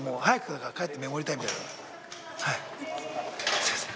すいません。